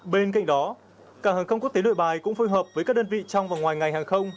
bên cạnh đó cảng hàng không quốc tế nội bài cũng phối hợp với các đơn vị trong và ngoài ngành hàng không